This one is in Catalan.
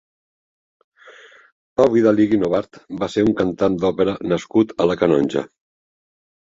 Pau Vidal i Guinovart va ser un cantant d'òpera nascut a la Canonja.